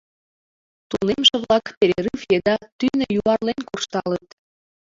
Тунемше-влак перерыв еда тӱнӧ юарлен куржталыт.